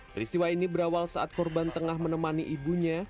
peristiwa ini berawal saat korban tengah menemani ibunya